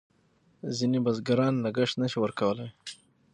ځینې بزګران لګښت نه شي ورکولای.